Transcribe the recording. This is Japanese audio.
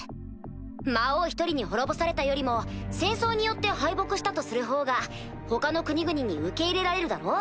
魔王１人に滅ぼされたよりも戦争によって敗北したとするほうが他の国々に受け入れられるだろ？